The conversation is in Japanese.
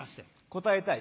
答えたい？